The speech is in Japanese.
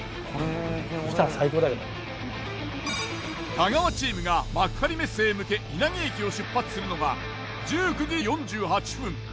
太川チームが幕張メッセへ向け稲毛駅を出発するのが１９時４８分。